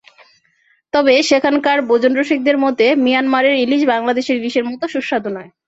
তবে সেখানকার ভোজনরসিকদের মতে, মিয়ানমারের ইলিশ বাংলাদেশের ইলিশের মতো সুস্বাদু নয়।